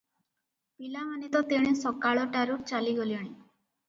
ପିଲାମାନେ ତ ତେଣେ ସକାଳ ଟାରୁ ଚାଲିଗଲେଣି ।"